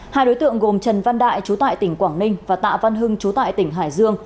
hai đối tượng gồm trần văn đại chú tại tỉnh quảng ninh và tạ văn hưng chú tại tỉnh hải dương